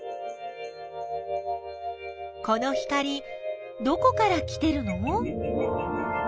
この光どこから来てるの？